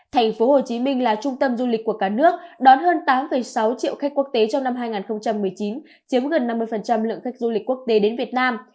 thành phố hồ chí minh là trung tâm du lịch của cả nước đón hơn tám sáu triệu khách quốc tế trong năm hai nghìn một mươi chín chiếm gần năm mươi lượng khách du lịch quốc tế đến việt nam